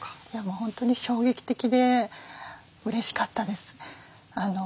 本当に衝撃的でうれしかったです。